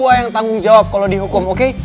gue yang tanggung jawab kalo dihukum oke